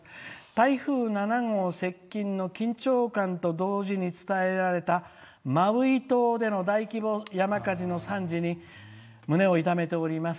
台風７号の接近の緊張感とともにマウイ島での大規模山火事の惨事に胸を痛めております。